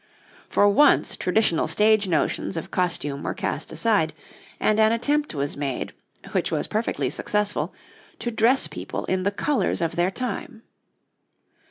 For once traditional stage notions of costume were cast aside, and an attempt was made, which was perfectly successful, to dress people in the colours of their time.